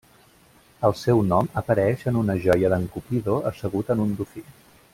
El seu nom apareix en una joia d'un Cupido assegut en un dofí.